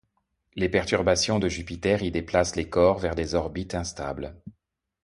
Les perturbations de Jupiter y déplacent les corps vers des orbites instables.